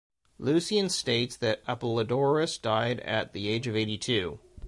Lucian states that Apollodorus died at the age of eighty-two.